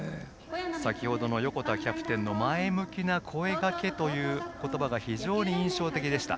先程の横田キャプテンの前向きな声がけという言葉が非常に印象的でした。